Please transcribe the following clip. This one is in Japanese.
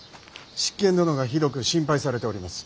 執権殿がひどく心配されております。